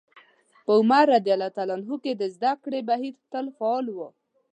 په عمر رض کې د زدکړې بهير تل فعال و.